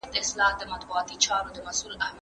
چا چي د الله تعالی له لارښوونو مخ واړاوه، هغه ګمراه سو.